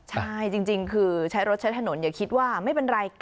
ใช่จริงคือใช้รถใช้ถนนอย่าคิดว่าไม่เป็นไร